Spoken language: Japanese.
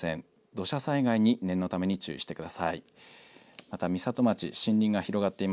土砂災害に念のため注意してください。